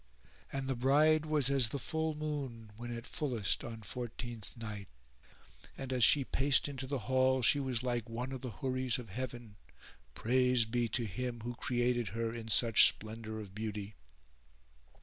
[FN#410] And the bride was as the full moon when at fullest on fourteenth night; and as she paced into the hall she was like one of the Houris of Heaven—praise be to Him who created her in such splendour of beauty!